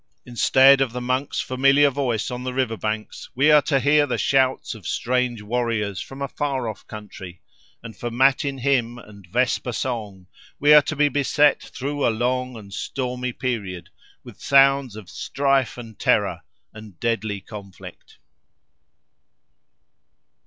Instead of the monk's familiar voice on the river banks we are to hear the shouts of strange warriors from a far off country; and for matin hymn and vesper song, we are to be beset through a long and stormy period, with sounds of strife and terror, and deadly conflict.